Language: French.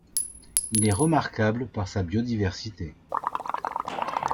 Il est remarquable par sa biodiversité.